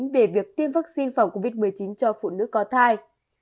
về việc tiêm vaccine phòng covid một mươi chín cho phụ nữ có thai